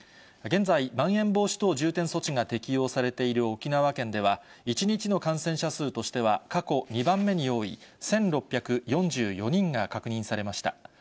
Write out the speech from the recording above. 現在、まん延防止等重点措置が適用されている沖縄県では、１日の感染者数としては過去２番目に多い、１６４４人が確認されました。